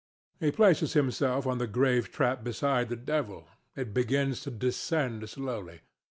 [He places himself on the grave trap beside The Devil. It begins to descend slowly.